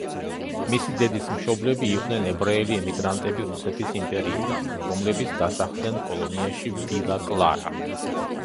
მისი დედის მშობლები იყვნენ ებრაელი ემიგრანტები რუსეთის იმპერიიდან, რომლებიც დასახლდნენ კოლონიაში ვილა კლარა.